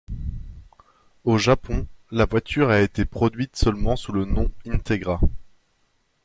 Au Japon, la voiture a été produite seulement sous le nom Integra.